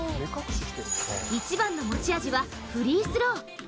一番の持ち味は、フリースロー。